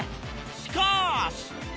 しかし！